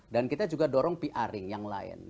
dan kita juga dorong pr ing yang lain di g dua puluh ini